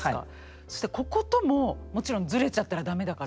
そしてこことももちろんズレちゃったら駄目だから。